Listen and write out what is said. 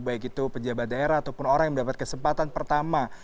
baik itu pejabat daerah ataupun orang yang mendapat kesempatan pertama